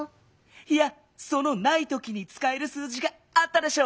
いやその「ないとき」につかえる数字があったでしょう？